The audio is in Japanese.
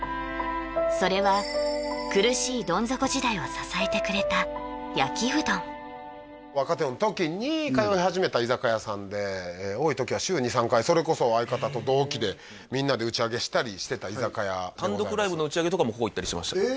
それは苦しいどん底時代を支えてくれた焼うどん多い時は週２３回それこそ相方と同期でみんなで打ち上げしたりしてた居酒屋単独ライブの打ち上げとかもここ行ったりしましたえ